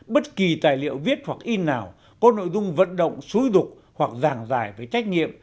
bất kỳ tài liệu viết hoặc in nào có nội dung vận động xúi rục hoặc giảng giải về trách nhiệm